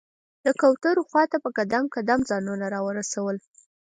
د کوترو خواته په قدم قدم ځانونه راورسول.